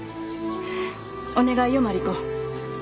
お願いよ真梨子。